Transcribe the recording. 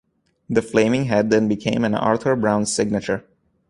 The flaming head then became an Arthur Brown signature.